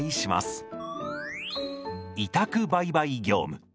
委託売買業務。